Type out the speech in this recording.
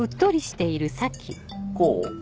こう？